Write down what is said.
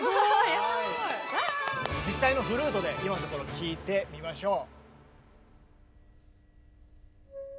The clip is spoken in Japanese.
実際のフルートで今のところ聴いてみましょう。